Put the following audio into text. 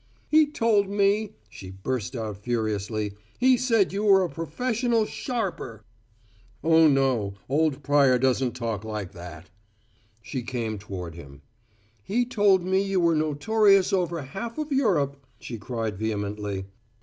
"He told me" she burst out furiously "he said you were a professional sharper!" "Oh, no. Old Pryor doesn't talk like that." She came toward him. "He told me you were notorious over half of Europe," she cried vehemently.